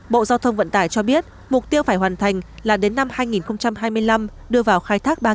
bộ giao thông vận tải cho biết mục tiêu phải hoàn thành là đến năm hai nghìn hai mươi năm đưa vào khai thác